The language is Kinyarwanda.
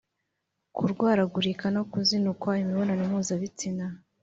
kurwaragurika no kuzinukwa imibonano mpuzabitsina